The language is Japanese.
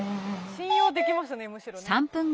信用できますねむしろね。